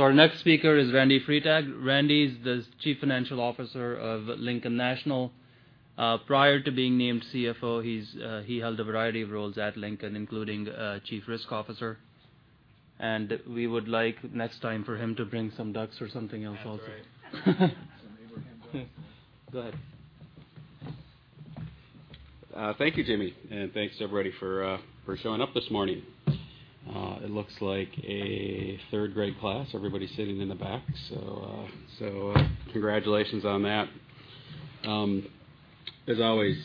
Our next speaker is Randy Freitag. Randy is the Chief Financial Officer of Lincoln National. Prior to being named CFO, he held a variety of roles at Lincoln, including Chief Risk Officer. We would like next time for him to bring some ducks or something else also. That's right. Go ahead. Thank you, Jimmy, and thanks to everybody for showing up this morning. It looks like a third-grade class, everybody sitting in the back, so congratulations on that. As always,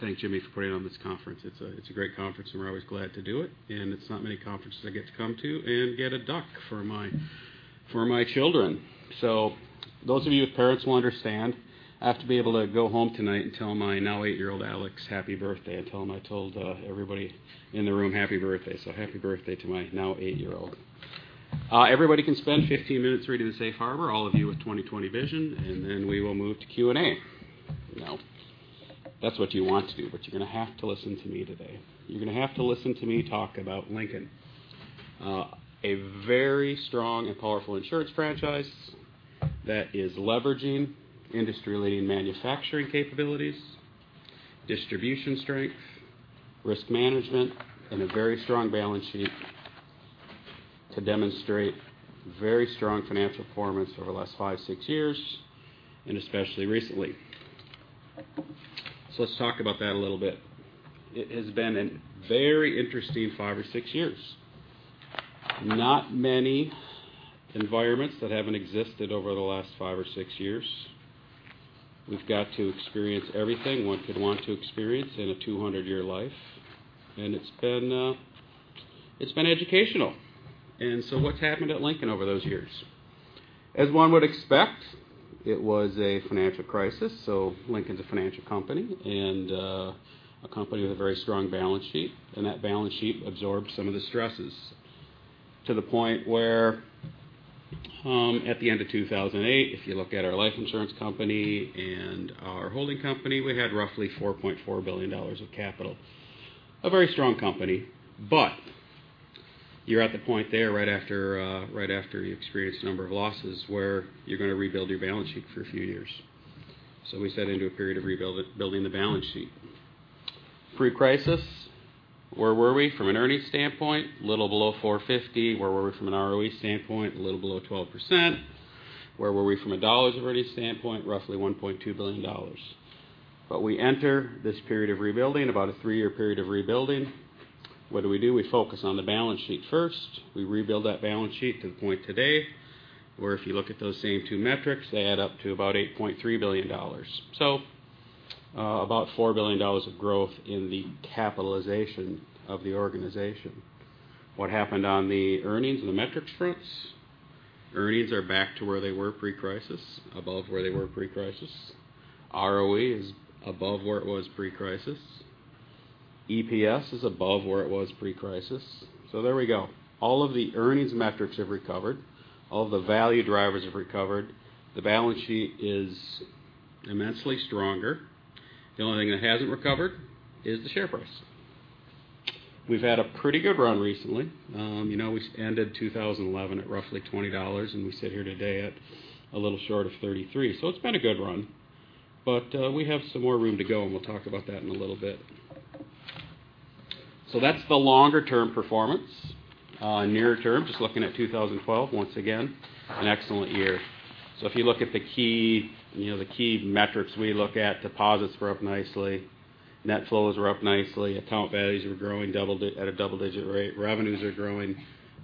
thank Jimmy for putting on this conference. It's a great conference and we're always glad to do it, and it's not many conferences I get to come to and get a duck for my children. Those of you with parents will understand, I have to be able to go home tonight and tell my now eight-year-old Alex happy birthday and tell him I told everybody in the room happy birthday. Happy birthday to my now eight-year-old. Everybody can spend 15 minutes reading the Safe Harbor, all of you with 20/20 vision, and then we will move to Q&A. Now, that's what you want to do, but you're going to have to listen to me today. You're going to have to listen to me talk about Lincoln, a very strong and powerful insurance franchise that is leveraging industry-leading manufacturing capabilities, distribution strength, risk management, and a very strong balance sheet to demonstrate very strong financial performance over the last five, six years and especially recently. Let's talk about that a little bit. It has been a very interesting five or six years. Not many environments that haven't existed over the last five or six years. We've got to experience everything one could want to experience in a 200-year life, and it's been educational. What's happened at Lincoln over those years? As one would expect, it was a financial crisis, Lincoln's a financial company, and a company with a very strong balance sheet, and that balance sheet absorbed some of the stresses to the point where at the end of 2008, if you look at our life insurance company and our holding company, we had roughly $4.4 billion of capital. A very strong company, but you're at the point there right after you experience a number of losses where you're going to rebuild your balance sheet for a few years. We set into a period of rebuilding the balance sheet. Pre-crisis, where were we from an earnings standpoint? Little below $450. Where were we from an ROE standpoint? A little below 12%. Where were we from a dollar of earnings standpoint? Roughly $1.2 billion. We enter this period of rebuilding, about a three-year period of rebuilding. What do we do? We focus on the balance sheet first. We rebuild that balance sheet to the point today, where if you look at those same two metrics, they add up to about $8.3 billion. About $4 billion of growth in the capitalization of the organization. What happened on the earnings and the metrics fronts? Earnings are back to where they were pre-crisis, above where they were pre-crisis. ROE is above where it was pre-crisis. EPS is above where it was pre-crisis. There we go. All of the earnings metrics have recovered. All of the value drivers have recovered. The balance sheet is immensely stronger. The only thing that hasn't recovered is the share price. We've had a pretty good run recently. We ended 2011 at roughly $20, and we sit here today at a little short of $33. It's been a good run. We have some more room to go, and we'll talk about that in a little bit. That's the longer term performance. Near term, just looking at 2012, once again, an excellent year. If you look at the key metrics we look at, deposits were up nicely, net flows were up nicely, account values were growing at a double-digit rate, revenues are growing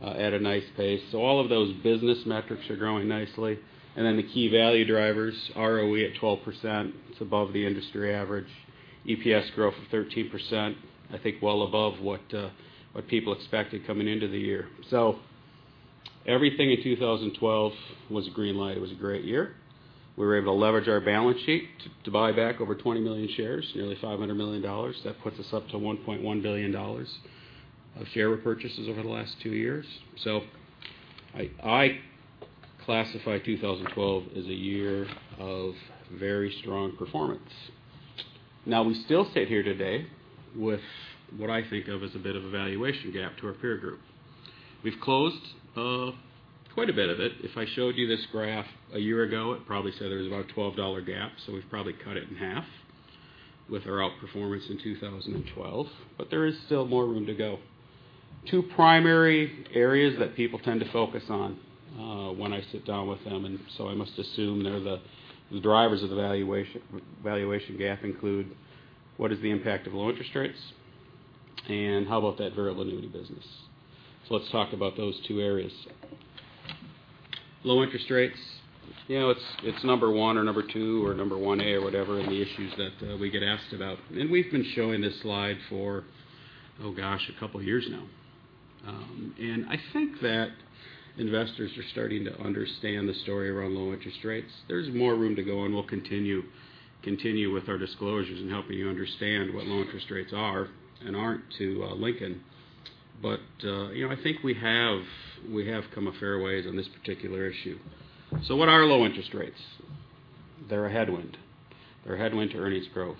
at a nice pace. All of those business metrics are growing nicely. The key value drivers, ROE at 12%, it's above the industry average. EPS growth of 13%, I think well above what people expected coming into the year. Everything in 2012 was a green light. It was a great year. We were able to leverage our balance sheet to buy back over 20 million shares, nearly $500 million. That puts us up to $1.1 billion of share repurchases over the last two years. I classify 2012 as a year of very strong performance. We still sit here today with what I think of as a bit of a valuation gap to our peer group. We've closed quite a bit of it. If I showed you this graph a year ago, it probably said there was about $12 gap, we've probably cut it in half with our outperformance in 2012. There is still more room to go. Two primary areas that people tend to focus on when I sit down with them, I must assume they're the drivers of the valuation gap include, what is the impact of low interest rates, and how about that variable annuity business? Let's talk about those two areas. Low interest rates, it's number 1 or number 2 or number 1A or whatever in the issues that we get asked about. We've been showing this slide for a couple of years now. I think that investors are starting to understand the story around low interest rates. There's more room to go, and we'll continue with our disclosures in helping you understand what low interest rates are and aren't to Lincoln. I think we have come a fair ways on this particular issue. What are low interest rates? They're a headwind. They're a headwind to earnings growth.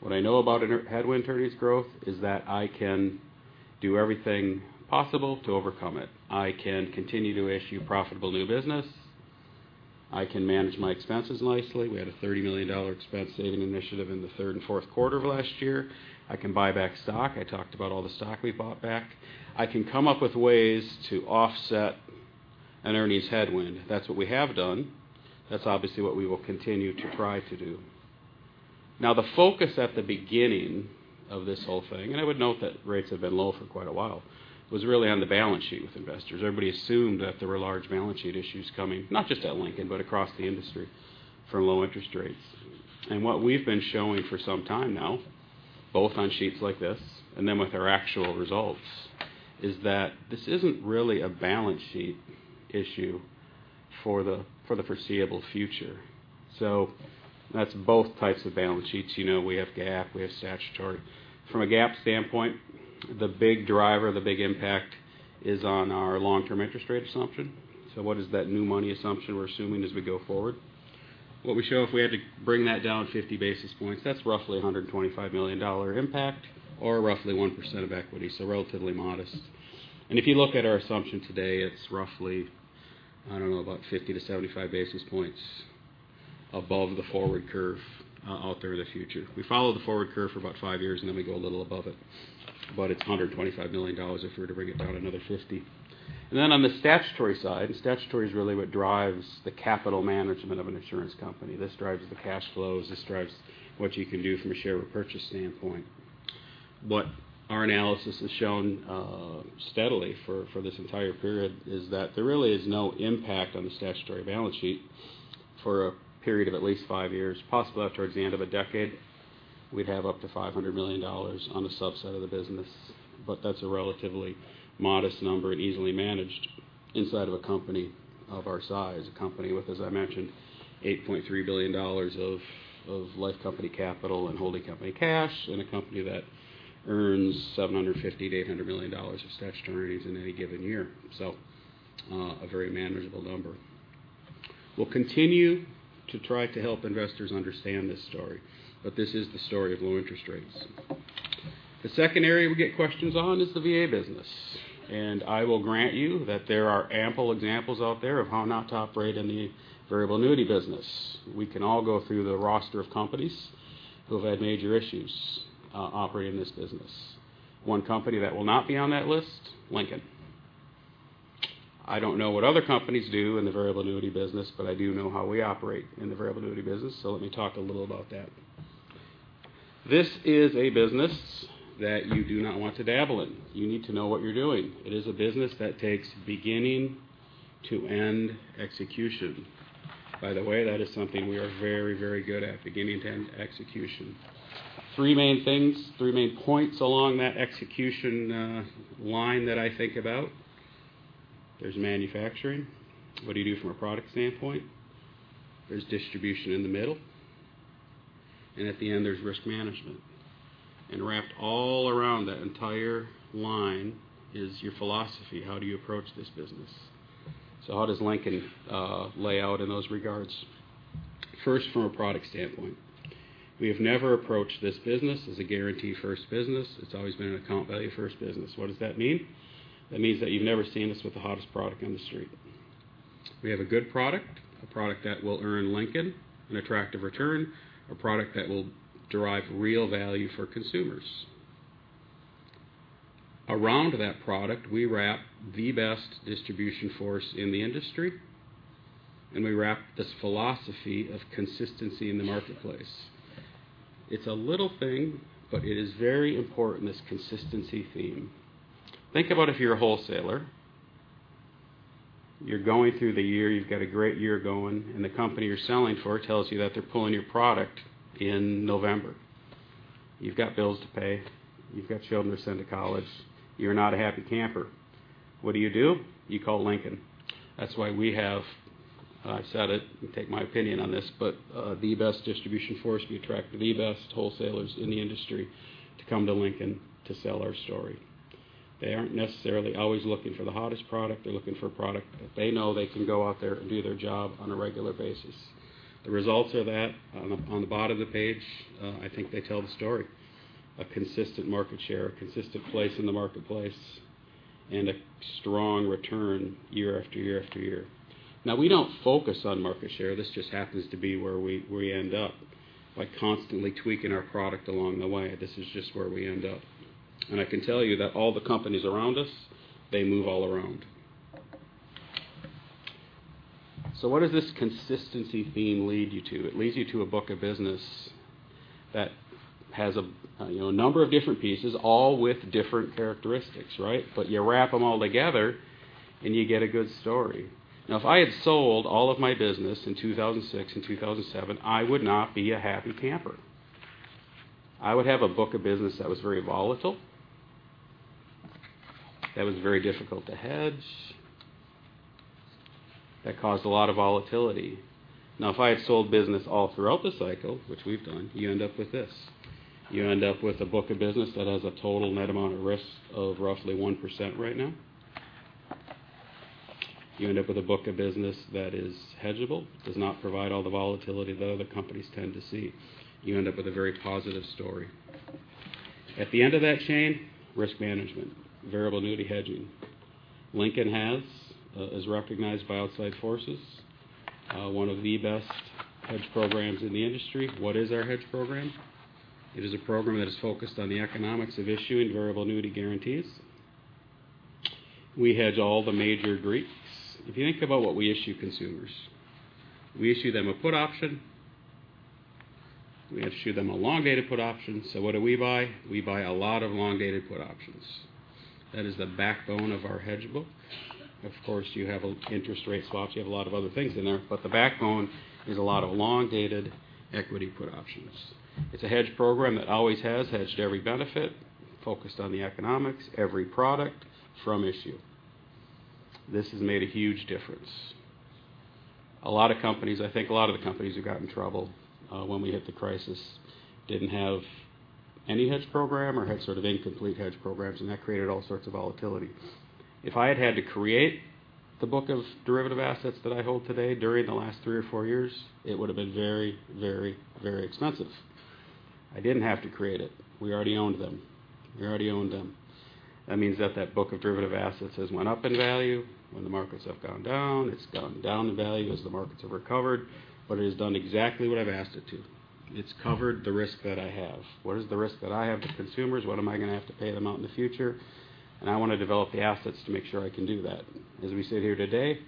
What I know about a headwind to earnings growth is that I can do everything possible to overcome it. I can continue to issue profitable new business. I can manage my expenses nicely. We had a $30 million expense saving initiative in the third and fourth quarter of last year. I can buy back stock. I talked about all the stock we bought back. I can come up with ways to offset an earnings headwind. That's what we have done. That's obviously what we will continue to try to do. The focus at the beginning of this whole thing, and I would note that rates have been low for quite a while, was really on the balance sheet with investors. Everybody assumed that there were large balance sheet issues coming, not just at Lincoln, but across the industry from low interest rates. What we've been showing for some time now, both on sheets like this and then with our actual results, is that this isn't really a balance sheet issue for the foreseeable future. That's both types of balance sheets. We have GAAP, we have statutory. From a GAAP standpoint, the big driver, the big impact is on our long-term interest rate assumption. What is that new money assumption we're assuming as we go forward? What we show if we had to bring that down 50 basis points, that's roughly $125 million impact, or roughly 1% of equity. Relatively modest. If you look at our assumption today, it's roughly, I don't know, about 50 to 75 basis points above the forward curve out there in the future. We follow the forward curve for about five years, and then we go a little above it. It's $125 million if we were to bring it down another 50. On the statutory side, the statutory is really what drives the capital management of an insurance company. This drives the cash flows, this drives what you can do from a share repurchase standpoint. What our analysis has shown steadily for this entire period is that there really is no impact on the statutory balance sheet for a period of at least five years, possibly out towards the end of a decade. We'd have up to $500 million on a subset of the business, but that's a relatively modest number and easily managed inside of a company of our size, a company with, as I mentioned, $8.3 billion of life company capital and holding company cash in a company that earns $750 million to $800 million of statutory earnings in any given year. A very manageable number. We'll continue to try to help investors understand this story, but this is the story of low interest rates. The second area we get questions on is the VA business, and I will grant you that there are ample examples out there of how not to operate in the variable annuity business. We can all go through the roster of companies who have had major issues operating this business. One company that will not be on that list, Lincoln. I don't know what other companies do in the variable annuity business, but I do know how we operate in the variable annuity business. Let me talk a little about that. This is a business that you do not want to dabble in. You need to know what you're doing. It is a business that takes beginning to end execution. By the way, that is something we are very good at, beginning to end execution. Three main things, three main points along that execution line that I think about. There's manufacturing. What do you do from a product standpoint? There's distribution in the middle. At the end, there's risk management. Wrapped all around that entire line is your philosophy. How do you approach this business? How does Lincoln lay out in those regards? First, from a product standpoint. We have never approached this business as a guarantee first business. It's always been an account value first business. What does that mean? That means that you've never seen us with the hottest product on the street. We have a good product, a product that will earn Lincoln an attractive return, a product that will derive real value for consumers. Around that product, we wrap the best distribution force in the industry, and we wrap this philosophy of consistency in the marketplace. It's a little thing, but it is very important, this consistency theme. Think about if you're a wholesaler. You're going through the year, you've got a great year going, and the company you're selling for tells you that they're pulling your product in November. You've got bills to pay. You've got children to send to college. You're not a happy camper. What do you do? You call Lincoln. That's why we have, I said it, you can take my opinion on this, but the best distribution force. We attract the best wholesalers in the industry to come to Lincoln to sell our story. They aren't necessarily always looking for the hottest product. They're looking for a product that they know they can go out there and do their job on a regular basis. The results are that on the bottom of the page, I think they tell the story. A consistent market share, a consistent place in the marketplace, and a strong return year after year after year. We don't focus on market share. This just happens to be where we end up by constantly tweaking our product along the way. This is just where we end up. I can tell you that all the companies around us, they move all around. What does this consistency theme lead you to? It leads you to a book of business that has a number of different pieces, all with different characteristics, right? You wrap them all together and you get a good story. If I had sold all of my business in 2006 and 2007, I would not be a happy camper. I would have a book of business that was very volatile, that was very difficult to hedge. That caused a lot of volatility. If I had sold business all throughout the cycle, which we've done, you end up with this. You end up with a book of business that has a total net amount of risk of roughly 1% right now. You end up with a book of business that is hedgeable, does not provide all the volatility that other companies tend to see. You end up with a very positive story. At the end of that chain, risk management, variable annuity hedging. Lincoln has, as recognized by outside forces, one of the best hedge programs in the industry. What is our hedge program? It is a program that is focused on the economics of issuing variable annuity guarantees. We hedge all the major Greeks. If you think about what we issue consumers, we issue them a put option. We issue them a long-dated put option. What do we buy? We buy a lot of long-dated put options. That is the backbone of our hedge book. Of course, you have interest rate swaps. You have a lot of other things in there, but the backbone is a lot of long-dated equity put options. It's a hedge program that always has hedged every benefit, focused on the economics, every product from issue. This has made a huge difference. I think a lot of the companies who got in trouble when we hit the crisis didn't have any hedge program or had sort of incomplete hedge programs, and that created all sorts of volatility. If I had had to create the book of derivative assets that I hold today during the last three or four years, it would have been very expensive. I didn't have to create it. We already owned them. That means that that book of derivative assets has went up in value when the markets have gone down. It's gone down in value as the markets have recovered. It has done exactly what I've asked it to. It's covered the risk that I have. What is the risk that I have to consumers? What am I going to have to pay them out in the future? I want to develop the assets to make sure I can do that. As we sit here today,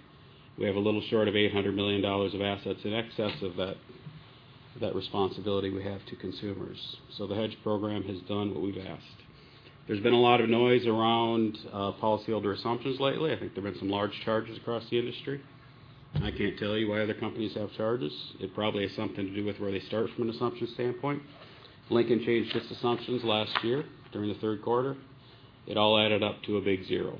we have a little short of $800 million of assets in excess of that responsibility we have to consumers. The hedge program has done what we've asked. There's been a lot of noise around policyholder assumptions lately. I think there have been some large charges across the industry. I can't tell you why other companies have charges. It probably has something to do with where they start from an assumption standpoint. Lincoln changed its assumptions last year during the third quarter. It all added up to a big zero.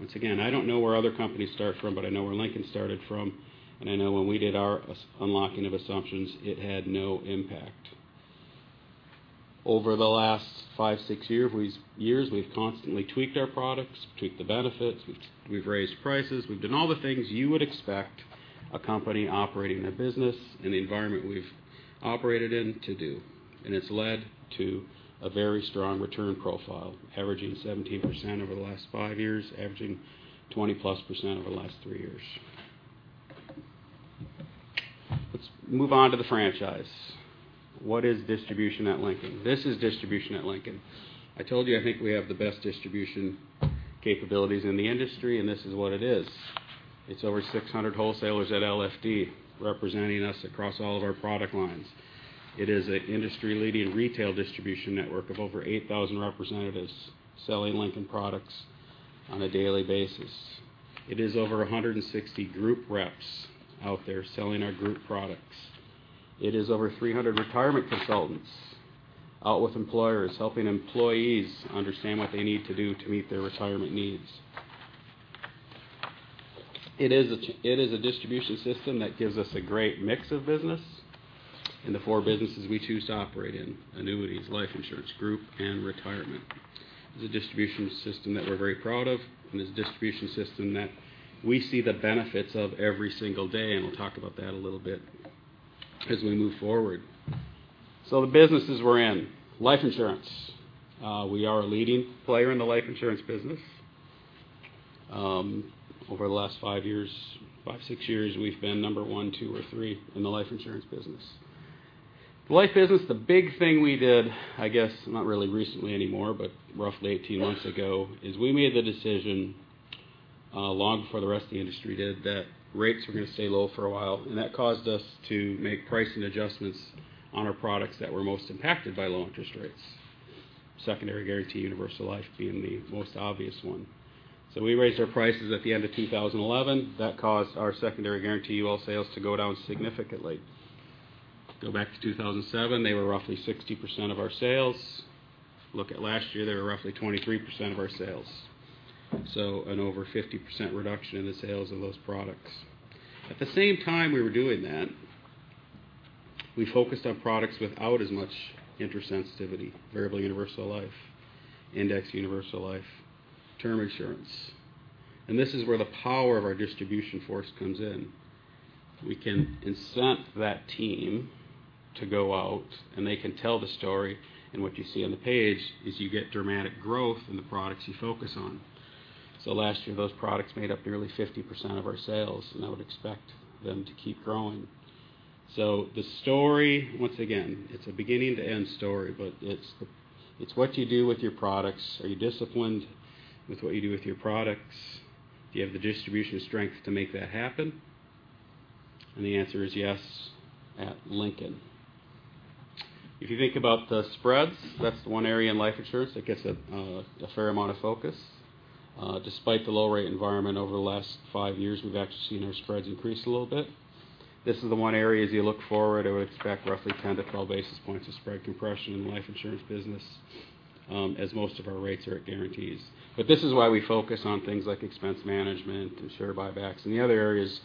Once again, I don't know where other companies start from, but I know where Lincoln started from, and I know when we did our unlocking of assumptions, it had no impact. Over the last five, six years, we've constantly tweaked our products, tweaked the benefits. We've raised prices. We've done all the things you would expect a company operating a business in the environment we've operated in to do. It's led to a very strong return profile, averaging 17% over the last five years, averaging 20-plus percent over the last three years. Let's move on to the franchise. What is distribution at Lincoln? This is distribution at Lincoln. I told you I think we have the best distribution capabilities in the industry. This is what it is. It's over 600 wholesalers at LFD representing us across all of our product lines. It is an industry leading retail distribution network of over 8,000 representatives selling Lincoln products on a daily basis. It is over 160 group reps out there selling our group products. It is over 300 retirement consultants out with employers helping employees understand what they need to do to meet their retirement needs. It is a distribution system that gives us a great mix of business in the four businesses we choose to operate in: annuities, life insurance, group and retirement. It's a distribution system that we're very proud of. It's a distribution system that we see the benefits of every single day, and we'll talk about that a little bit as we move forward. The businesses we're in. Life insurance. We are a leading player in the life insurance business. Over the last five, six years, we've been number one, two, or three in the life insurance business. The life business, the big thing we did, I guess not really recently anymore, but roughly 18 months ago, is we made the decision long before the rest of the industry did that rates were going to stay low for a while. That caused us to make pricing adjustments on our products that were most impacted by low interest rates. Secondary guarantee universal life being the most obvious one. We raised our prices at the end of 2011. That caused our secondary guarantee UL sales to go down significantly. Go back to 2007, they were roughly 60% of our sales. Look at last year, they were roughly 23% of our sales. An over 50% reduction in the sales of those products. At the same time we were doing that, we focused on products without as much interest sensitivity: variable universal life, index universal life, term insurance. This is where the power of our distribution force comes in. We can incent that team to go out and they can tell the story. What you see on the page is you get dramatic growth in the products you focus on. Last year, those products made up nearly 50% of our sales, and I would expect them to keep growing. The story, once again, it's a beginning to end story, but it's what you do with your products. Are you disciplined with what you do with your products? Do you have the distribution strength to make that happen? The answer is yes at Lincoln. If you think about the spreads, that's the one area in life insurance that gets a fair amount of focus. Despite the low rate environment over the last five years, we've actually seen our spreads increase a little bit. This is the one area, as you look forward, I would expect roughly 10 to 12 basis points of spread compression in the life insurance business as most of our rates are at guarantees. This is why we focus on things like expense management and share buybacks and the other areas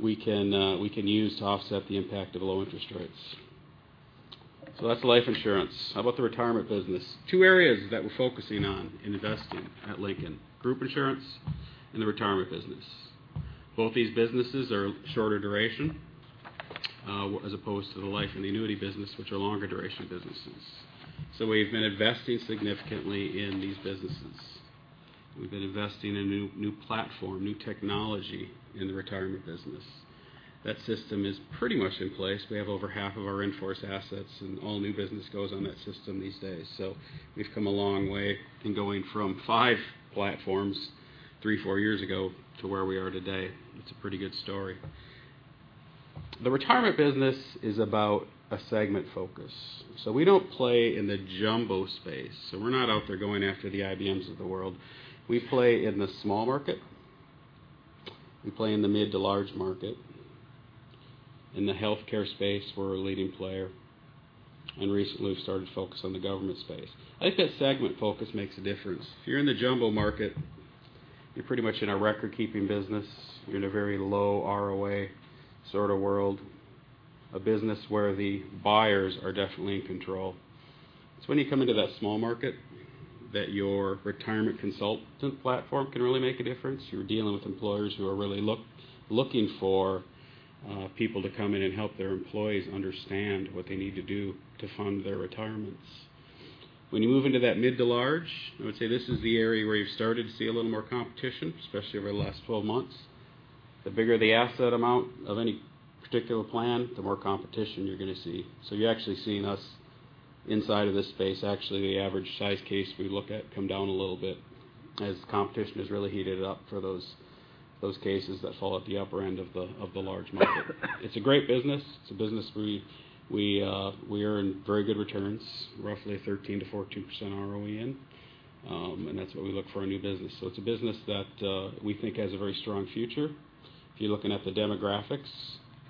we can use to offset the impact of low interest rates. That's life insurance. How about the retirement business? Two areas that we're focusing on in investing at Lincoln: group insurance and the retirement business. Both these businesses are shorter duration as opposed to the life and the annuity business, which are longer duration businesses. We've been investing significantly in these businesses. We've been investing in new platform, new technology in the retirement business. That system is pretty much in place. We have over half of our in-force assets and all new business goes on that system these days. We've come a long way in going from five platforms three, four years ago to where we are today. It's a pretty good story. The retirement business is about a segment focus. We don't play in the jumbo space. We're not out there going after the IBMs of the world. We play in the small market. We play in the mid to large market. In the healthcare space, we're a leading player, and recently we've started to focus on the government space. I think that segment focus makes a difference. If you're in the jumbo market, you're pretty much in a record-keeping business. You're in a very low ROA sort of world, a business where the buyers are definitely in control. It's when you come into that small market that your retirement consultant platform can really make a difference. You're dealing with employers who are really looking for people to come in and help their employees understand what they need to do to fund their retirements. When you move into that mid to large, I would say this is the area where you've started to see a little more competition, especially over the last 12 months. The bigger the asset amount of any particular plan, the more competition you're going to see. You're actually seeing us inside of this space. Actually, the average size case we look at come down a little bit as competition has really heated up for those cases that fall at the upper end of the large market. It's a great business. It's a business we earn very good returns, roughly 13%-14% ROE, and that's what we look for in new business. It's a business that we think has a very strong future. If you're looking at the demographics,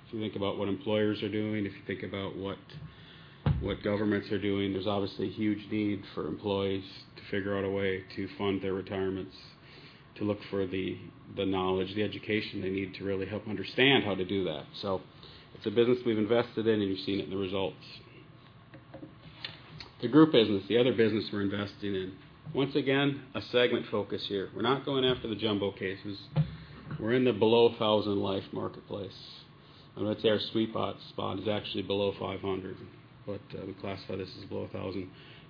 if you think about what employers are doing, if you think about what governments are doing, there's obviously a huge need for employees to figure out a way to fund their retirements, to look for the knowledge, the education they need to really help understand how to do that. It's a business we've invested in, and you've seen it in the results. The group business, the other business we're investing in. Once again, a segment focus here. We're not going after the jumbo cases. We're in the below 1,000 life marketplace. I'm going to say our sweet spot is actually below 500, but we classify this as below 1,000.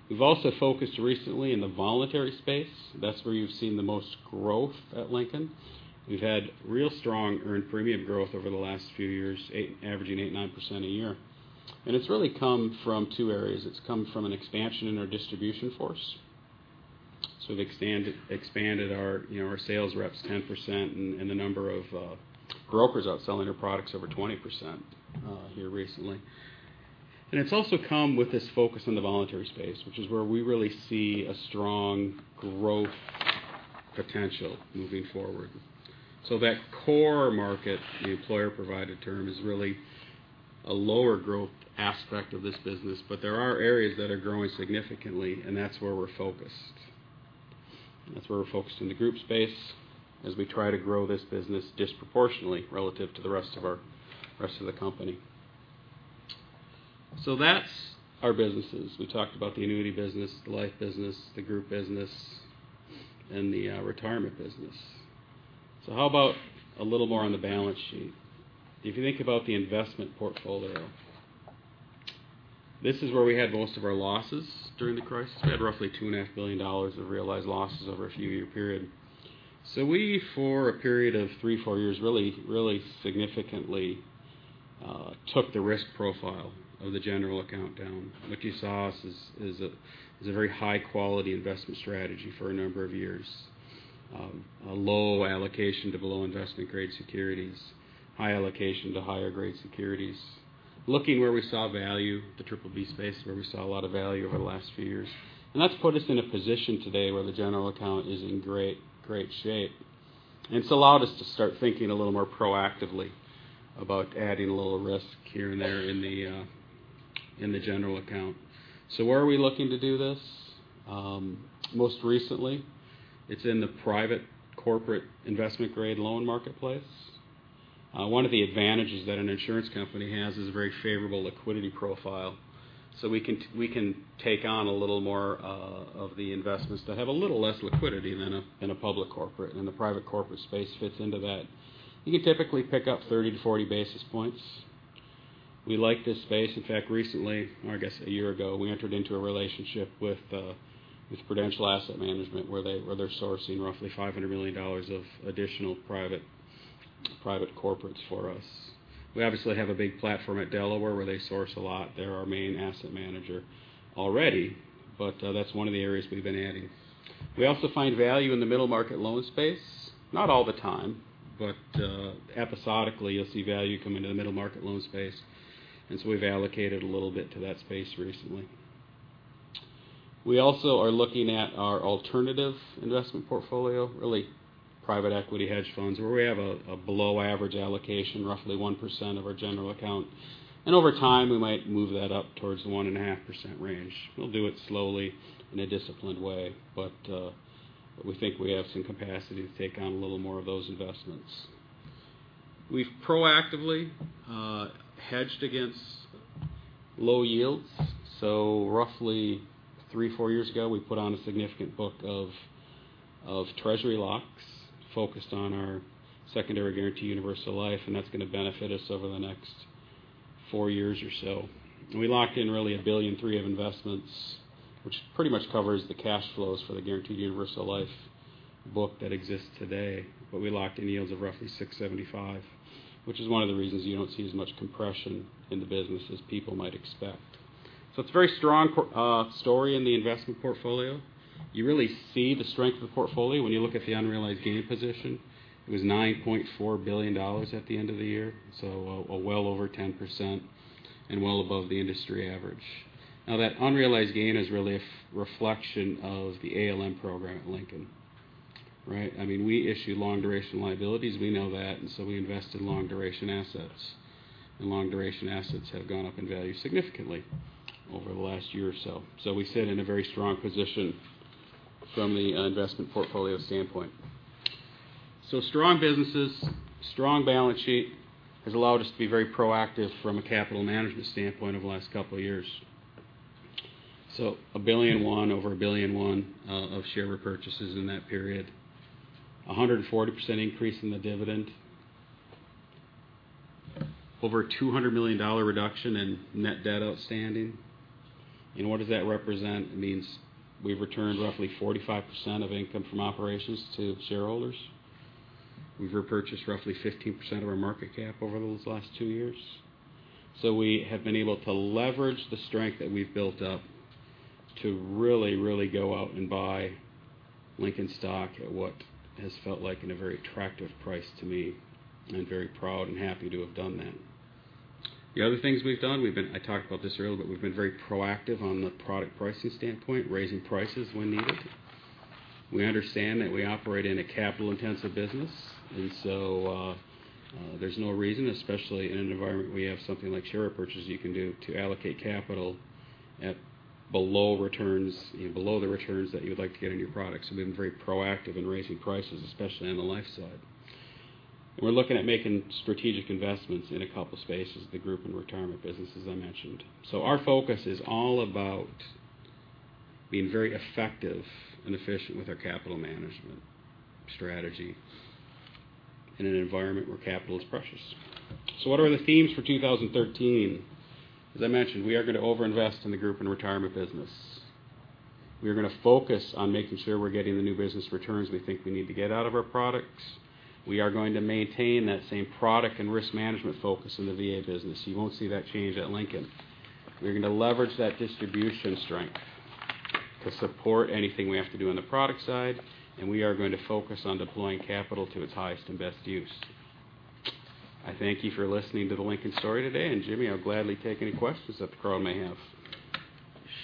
We've also focused recently in the voluntary space. That's where you've seen the most growth at Lincoln. We've had real strong earned premium growth over the last few years, averaging 8%, 9% a year. It's really come from two areas. It's come from an expansion in our distribution force. We've expanded our sales reps 10% and the number of brokers out selling our products over 20% here recently. It's also come with this focus on the voluntary space, which is where we really see a strong growth potential moving forward. That core market, the employer-provided term, is really a lower growth aspect of this business. There are areas that are growing significantly, and that's where we're focused. That's where we're focused in the group space as we try to grow this business disproportionately relative to the rest of the company. That's our businesses. We talked about the annuity business, the life business, the group business, and the retirement business. How about a little more on the balance sheet? If you think about the investment portfolio, this is where we had most of our losses during the crisis. We had roughly $2.5 billion of realized losses over a few year period. We, for a period of three, four years, really significantly took the risk profile of the general account down. What you saw is a very high-quality investment strategy for a number of years. A low allocation to below investment grade securities, high allocation to higher grade securities. Looking where we saw value, the triple B space, where we saw a lot of value over the last few years. That's put us in a position today where the general account is in great shape. It's allowed us to start thinking a little more proactively about adding a little risk here and there in the general account. Where are we looking to do this? Most recently, it's in the private corporate investment grade loan marketplace. One of the advantages that an insurance company has is a very favorable liquidity profile. We can take on a little more of the investments that have a little less liquidity than a public corporate, and the private corporate space fits into that. You can typically pick up 30 to 40 basis points. We like this space. In fact, recently, I guess a year ago, we entered into a relationship with Prudential Asset Management, where they're sourcing roughly $500 million of additional private corporates for us. We obviously have a big platform at Delaware where they source a lot. They're our main asset manager already, but that's one of the areas we've been adding. We also find value in the middle market loan space. Not all the time, but episodically, you'll see value come into the middle market loan space. We've allocated a little bit to that space recently. We also are looking at our alternative investment portfolio, really private equity hedge funds, where we have a below average allocation, roughly 1% of our general account. Over time, we might move that up towards the 1.5% range. We'll do it slowly in a disciplined way, but we think we have some capacity to take on a little more of those investments. We've proactively hedged against low yields. Roughly three, four years ago, we put on a significant book of Treasury locks focused on our secondary guarantee universal life, and that's going to benefit us over the next 4 years or so. We locked in really $1.3 billion of investments, which pretty much covers the cash flows for the guaranteed universal life book that exists today. We locked in yields of roughly 675, which is one of the reasons you don't see as much compression in the business as people might expect. It's a very strong story in the investment portfolio. You really see the strength of the portfolio when you look at the unrealized gain position. It was $9.4 billion at the end of the year, so well over 10% and well above the industry average. That unrealized gain is really a reflection of the ALM program at Lincoln, right? We issue long duration liabilities, we know that, and so we invest in long duration assets. Long duration assets have gone up in value significantly over the last year or so. We sit in a very strong position from the investment portfolio standpoint. Strong businesses, strong balance sheet has allowed us to be very proactive from a capital management standpoint over the last couple of years. A $1.1 billion, over $1.1 billion of share repurchases in that period. 140% increase in the dividend. Over a $200 million reduction in net debt outstanding. What does that represent? It means we've returned roughly 45% of income from operations to shareholders. We've repurchased roughly 15% of our market cap over those last 2 years. We have been able to leverage the strength that we've built up to really go out and buy Lincoln stock at what has felt like an very attractive price to me. I'm very proud and happy to have done that. The other things we've done, I talked about this earlier, but we've been very proactive on the product pricing standpoint, raising prices when needed. We understand that we operate in a capital intensive business, and so there's no reason, especially in an environment where you have something like share purchases you can do to allocate capital at below the returns that you would like to get on your products. We've been very proactive in raising prices, especially on the life side. We're looking at making strategic investments in a couple spaces, the group and retirement business, as I mentioned. Our focus is all about being very effective and efficient with our capital management strategy in an environment where capital is precious. What are the themes for 2013? As I mentioned, we are going to over-invest in the group and retirement business. We are going to focus on making sure we're getting the new business returns we think we need to get out of our products. We are going to maintain that same product and risk management focus in the VA business. You won't see that change at Lincoln. We're going to leverage that distribution strength to support anything we have to do on the product side, and we are going to focus on deploying capital to its highest and best use. I thank you for listening to the Lincoln story today. Jimmy, I'll gladly take any questions that the crowd may have.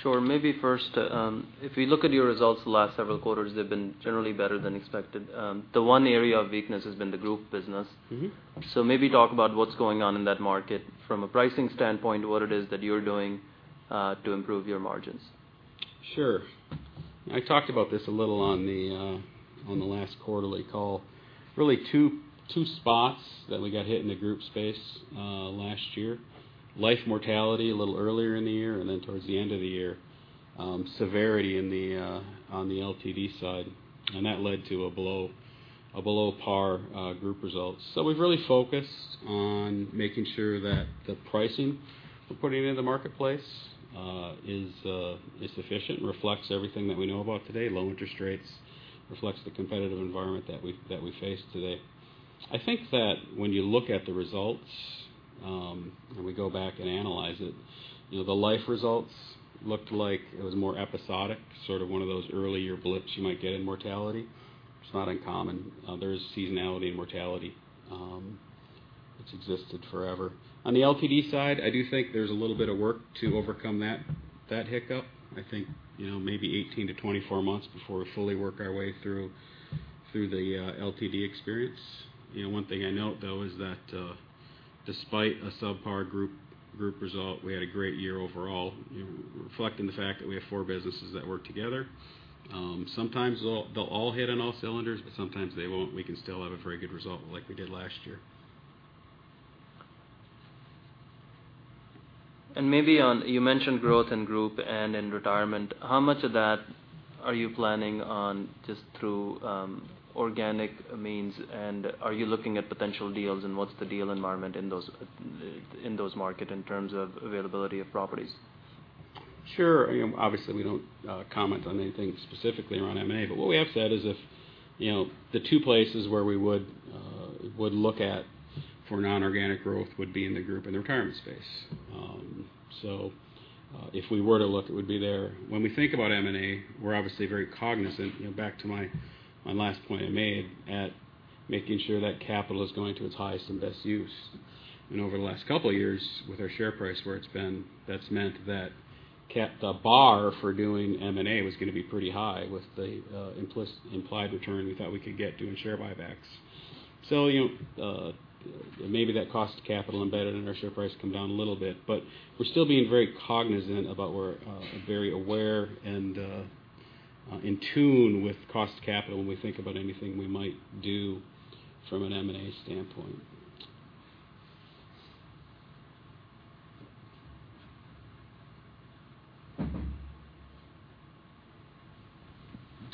Sure. Maybe first, if we look at your results the last several quarters, they've been generally better than expected. The one area of weakness has been the group business. Maybe talk about what's going on in that market from a pricing standpoint, what it is that you're doing to improve your margins. Sure. I talked about this a little on the last quarterly call. Really two spots that we got hit in the group space last year. Life mortality a little earlier in the year, then towards the end of the year, severity on the LTD side. That led to a below par group result. We've really focused on making sure that the pricing we're putting in the marketplace is sufficient and reflects everything that we know about today. Low interest rates reflects the competitive environment that we face today. I think that when you look at the results, and we go back and analyze it, the life results looked like it was more episodic, sort of one of those earlier blips you might get in mortality. It's not uncommon. There is seasonality in mortality. It's existed forever. On the LTD side, I do think there's a little bit of work to overcome that hiccup. I think maybe 18-24 months before we fully work our way through the LTD experience. One thing I note, though, is that despite a subpar group result, we had a great year overall, reflecting the fact that we have four businesses that work together. Sometimes they'll all hit on all cylinders, but sometimes they won't. We can still have a very good result like we did last year. Maybe on, you mentioned growth in group and in retirement, how much of that are you planning on just through organic means, and are you looking at potential deals and what's the deal environment in those markets in terms of availability of properties? Sure. Obviously, we don't comment on anything specifically around M&A, what we have said is if the two places where we would look at for non-organic growth would be in the group and the retirement space. If we were to look, it would be there. When we think about M&A, we're obviously very cognizant, back to my last point I made, at making sure that capital is going to its highest and best use. Over the last couple of years with our share price where it's been, that's meant that the bar for doing M&A was going to be pretty high with the implied return we thought we could get doing share buybacks. Maybe that cost of capital embedded in our share price come down a little bit, we're still being very cognizant about, very aware and in tune with cost of capital when we think about anything we might do from an M&A standpoint.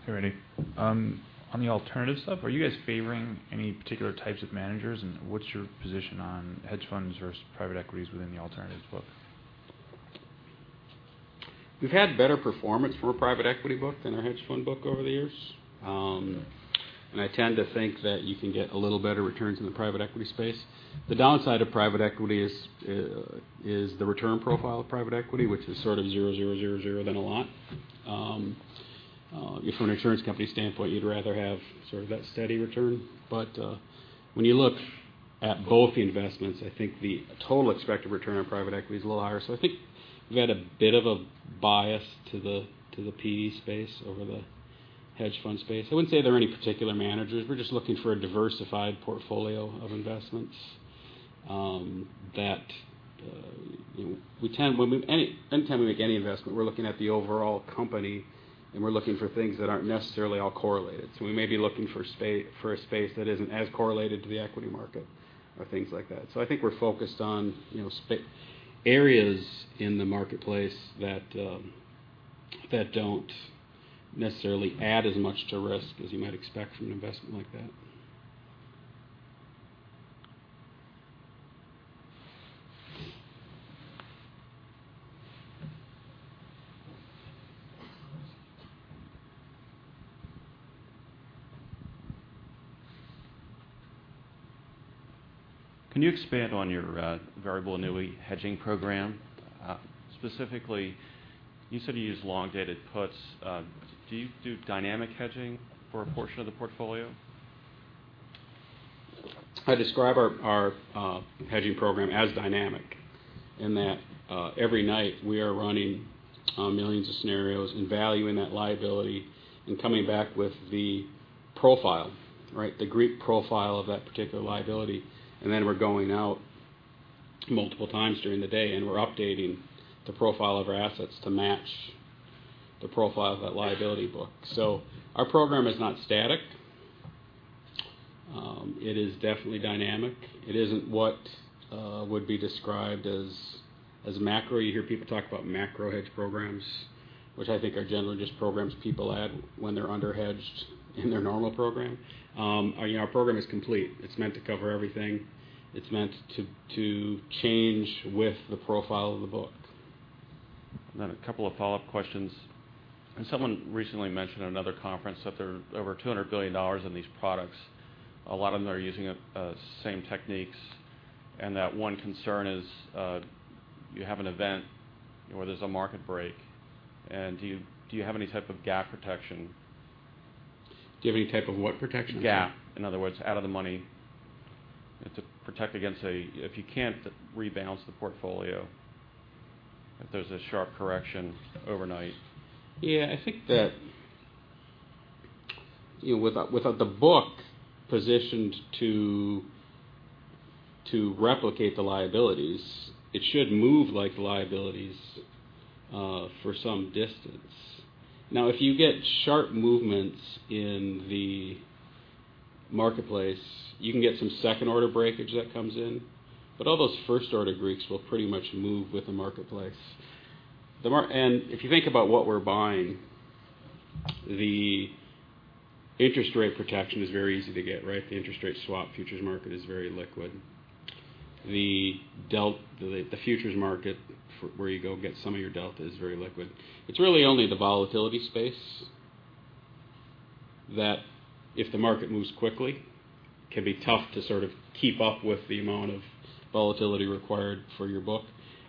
Hey, Randy. On the alternatives stuff, are you guys favoring any particular types of managers? What's your position on hedge funds versus private equities within the alternatives book? We've had better performance from our private equity book than our hedge fund book over the years. I tend to think that you can get a little better returns in the private equity space. The downside of private equity is the return profile of private equity, which is sort of zero, zero, then a lot. From an insurance company standpoint, you'd rather have sort of that steady return. When you look at both the investments, I think the total expected return on private equity is a little higher. I think we've got a bit of a bias to the PE space over the hedge fund space. I wouldn't say there are any particular managers. We're just looking for a diversified portfolio of investments. Anytime we make any investment, we're looking at the overall company, and we're looking for things that aren't necessarily all correlated. We may be looking for a space that isn't as correlated to the equity market or things like that. I think we're focused on areas in the marketplace that don't necessarily add as much to risk as you might expect from an investment like that. Can you expand on your variable annuity hedging program? Specifically, you said you use long-dated puts. Do you do dynamic hedging for a portion of the portfolio? I describe our hedging program as dynamic in that every night we are running millions of scenarios and valuing that liability and coming back with the profile. The Greek profile of that particular liability. Then we're going out multiple times during the day, and we're updating the profile of our assets to match the profile of that liability book. Our program is not static. It is definitely dynamic. It isn't what would be described as macro. You hear people talk about macro hedge programs, which I think are generally just programs people add when they're under-hedged in their normal program. Our program is complete. It's meant to cover everything. It's meant to change with the profile of the book. A couple of follow-up questions. Someone recently mentioned at another conference that there are over $200 billion in these products. A lot of them are using the same techniques, and that one concern is you have an event where there's a market break. Do you have any type of gap protection? Do you have any type of what protection? Gap. In other words, out of the money to protect against if you can't rebalance the portfolio, if there's a sharp correction overnight. I think that without the book positioned to replicate the liabilities, it should move like the liabilities for some distance. If you get sharp movements in the marketplace, you can get some second-order breakage that comes in. All those first-order Greeks will pretty much move with the marketplace. If you think about what we're buying, the interest rate protection is very easy to get. The interest rate swap futures market is very liquid. The futures market where you go get some of your delta is very liquid. It's really only the volatility space that if the market moves quickly, can be tough to sort of keep up with the amount of volatility required for your book.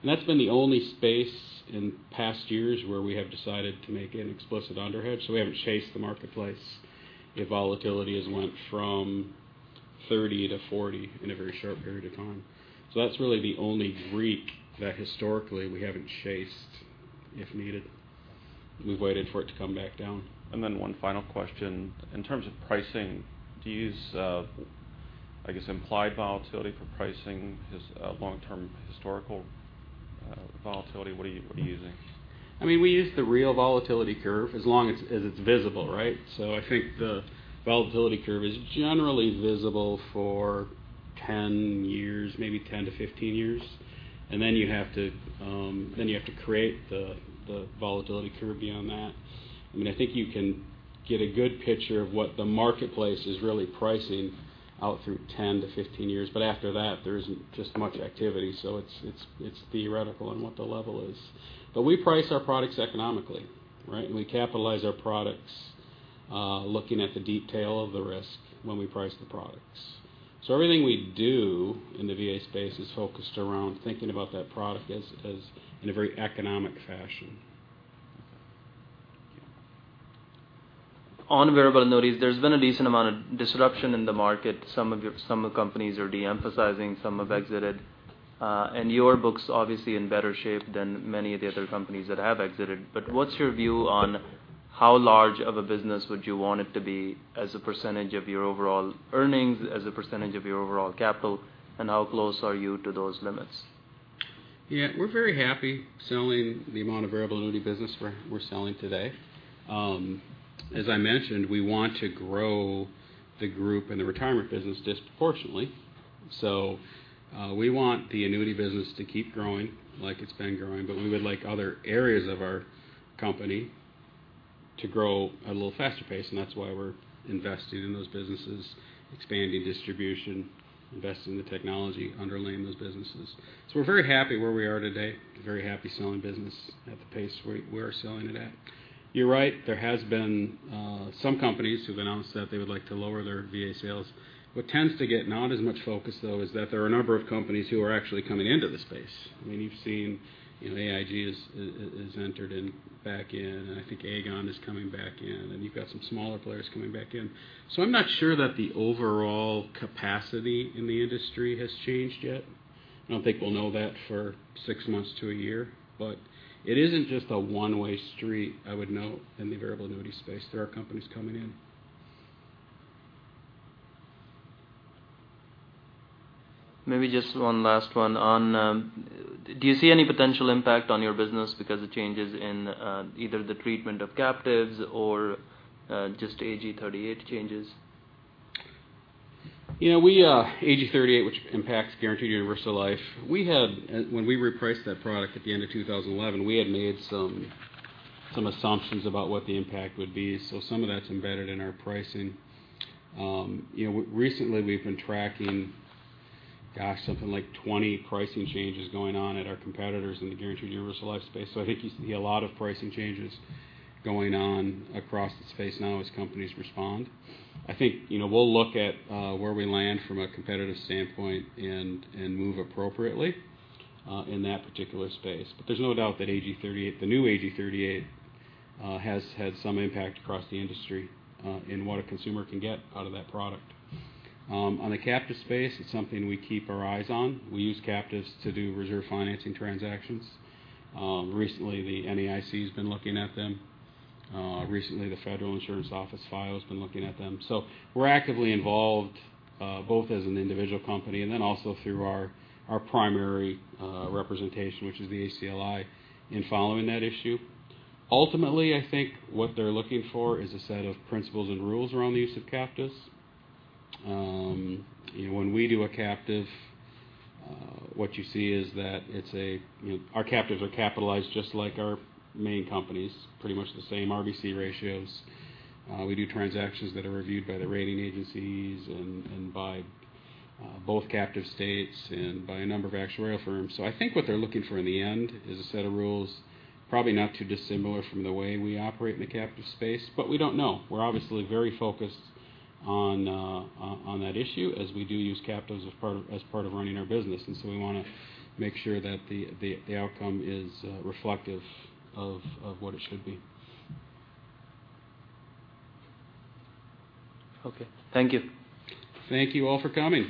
That's been the only space in past years where we have decided to make an explicit underhedge. We haven't chased the marketplace if volatility has went from 30 to 40 in a very short period of time. That's really the only Greek that historically we haven't chased if needed. We've waited for it to come back down. One final question. In terms of pricing, do you use, I guess, implied volatility for pricing as long-term historical volatility? What are you using? We use the real volatility curve as long as it's visible. I think the volatility curve is generally visible for 10 years, maybe 10 to 15 years. You have to create the volatility curve beyond that. I think you can get a good picture of what the marketplace is really pricing out through 10 to 15 years. After that, there isn't just much activity. It's theoretical on what the level is. We price our products economically. We capitalize our products looking at the detail of the risk when we price the products. Everything we do in the VA space is focused around thinking about that product in a very economic fashion. Thank you. On variable annuities, there's been a decent amount of disruption in the market. Some companies are de-emphasizing, some have exited. Your book's obviously in better shape than many of the other companies that have exited. What's your view on how large of a business would you want it to be as a % of your overall earnings, as a % of your overall capital, and how close are you to those limits? We're very happy selling the amount of variable annuity business we're selling today. As I mentioned, we want to grow the group and the retirement business disproportionately. We want the annuity business to keep growing like it's been growing, but we would like other areas of our company to grow at a little faster pace, and that's why we're invested in those businesses, expanding distribution, investing in the technology underlying those businesses. We're very happy where we are today. Very happy selling business at the pace we are selling it at. You're right, there has been some companies who've announced that they would like to lower their VA sales. What tends to get not as much focus, though, is that there are a number of companies who are actually coming into the space. You've seen AIG has entered back in, I think Aegon is coming back in, and you've got some smaller players coming back in. I'm not sure that the overall capacity in the industry has changed yet. I don't think we'll know that for six months to a year. It isn't just a one-way street, I would note, in the variable annuity space. There are companies coming in. Maybe just one last one. Do you see any potential impact on your business because of changes in either the treatment of captives or just AG 38 changes? AG 38, which impacts guaranteed universal life. When we repriced that product at the end of 2011, we had made some assumptions about what the impact would be. Some of that's embedded in our pricing. Recently, we've been tracking, gosh, something like 20 pricing changes going on at our competitors in the guaranteed universal life space. I think you see a lot of pricing changes going on across the space now as companies respond. I think we'll look at where we land from a competitive standpoint and move appropriately in that particular space. There's no doubt that the new AG 38 has had some impact across the industry in what a consumer can get out of that product. On the captive space, it's something we keep our eyes on. We use captives to do reserve financing transactions. Recently, the NAIC's been looking at them. Recently, the Federal Insurance Office, FIO, has been looking at them. We're actively involved both as an individual company and then also through our primary representation, which is the ACLI, in following that issue. Ultimately, I think what they're looking for is a set of principles and rules around the use of captives. When we do a captive, what you see is that our captives are capitalized just like our main companies, pretty much the same RBC ratios. We do transactions that are reviewed by the rating agencies and by both captive states and by a number of actuarial firms. I think what they're looking for in the end is a set of rules, probably not too dissimilar from the way we operate in the captive space, but we don't know. We're obviously very focused on that issue as we do use captives as part of running our business. We want to make sure that the outcome is reflective of what it should be. Okay. Thank you. Thank you all for coming.